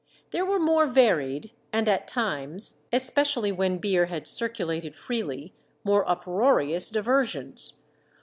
There were more varied, and at times, especially when beer had circulated freely, more uproarious diversions.